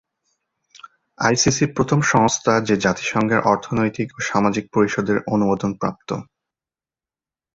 ICC প্রথম সংস্থা যে জাতিসংঘের অর্থনৈতিক ও সামাজিক পরিষদের অনুমোদন প্রাপ্ত।